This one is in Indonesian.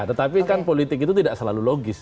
tetapi kan politik itu tidak selalu logis